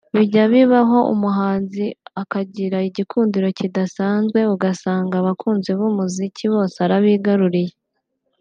Bijya bibaho umuhanzi akagira igikundiro kidasanzwe ugasanga abakunzi b’umuziki bose arabigaruriye